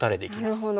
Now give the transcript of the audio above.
なるほど。